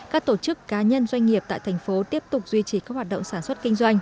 các tổ chức cá nhân doanh nghiệp tại thành phố tiếp tục duy trì các hoạt động sản xuất kinh doanh